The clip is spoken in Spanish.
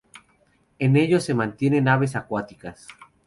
En ellos se mantenían aves acuáticas.